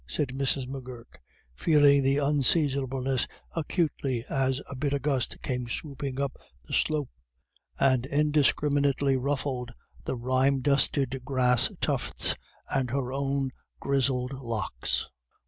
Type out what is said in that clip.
said Mrs. M'Gurk, feeling the unseasonableness acutely as a bitter gust came swooping up the slope and indiscriminatingly ruffled the rime dusted grass tufts and her own grizzled locks.